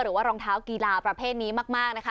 รองเท้ากีฬาประเภทนี้มากนะคะ